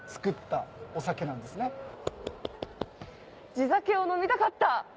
地酒を飲みたかった！